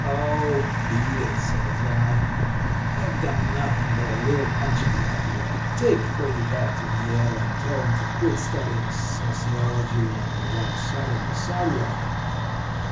"'Oh, beat it,' says I. 'I've done nothing but a little punching bag work. Take Freddy back to Yale and tell him to quit studying sociology on the wrong side of the sidewalk.'